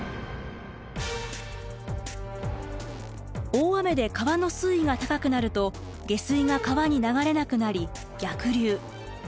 大雨で川の水位が高くなると下水が川に流れなくなり逆流。